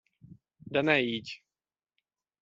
De ne így!